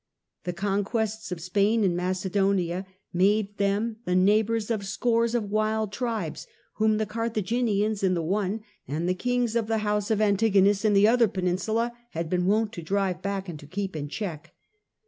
The conquests of Spain and Macedonia made them the neighbours of scores of wild tribes, whom the Carthaginians in the one and the kings of the house of Antigonus in the other peninsula had been wont to drive back and to keep in check.